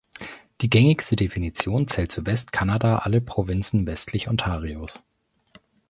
Die gängigste Definition zählt zu Westkanada alle Provinzen westlich Ontarios.